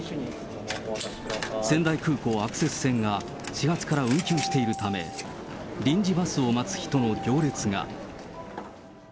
仙台空港アクセス線が始発から運休しているため、臨時バスを待つ人の行列が。